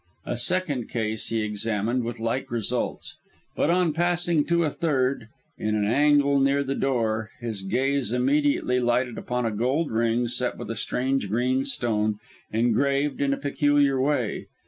A second case he examined with like results. But on passing to a third, in an angle near the door, his gaze immediately lighted upon a gold ring set with a strange green stone, engraved in a peculiar way.